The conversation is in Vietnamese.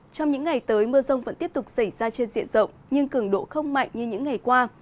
trong những ngày tới mưa rông vẫn tiếp tục xảy ra trên diện rộng nhưng cường độ không mạnh như những ngày qua